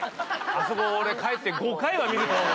あそこ俺帰って５回は見ると思う。